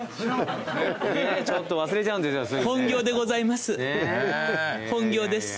ちょっと忘れちゃうんですよすぐね。